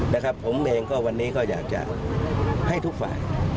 นะครับผมเองก็วันนี้ก็อยากจะให้ทุกฝ่าย